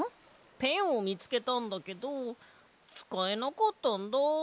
ペンをみつけたんだけどつかえなかったんだ。